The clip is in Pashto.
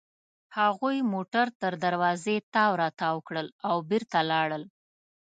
هغوی موټر تر دروازې تاو راتاو کړل او بېرته لاړل.